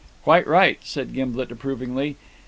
"Quite right," said Gimblet approvingly.